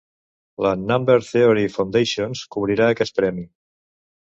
La "Number Theory Foundation" cobrirà aquest premi.